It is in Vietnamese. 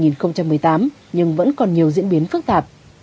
năm hai nghìn một mươi tám nhưng vẫn còn nhiều diễn biến phức tạp